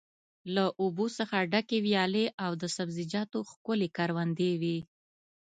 له اوبو څخه ډکې ویالې او د سبزیجاتو ښکلې کروندې وې.